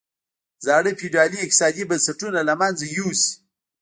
زاړه فیوډالي اقتصادي بنسټونه له منځه یوسي.